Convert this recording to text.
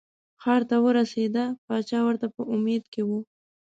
ښار ته ورسېده پاچا ورته په امید کې و.